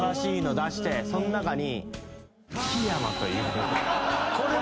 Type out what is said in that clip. その中に。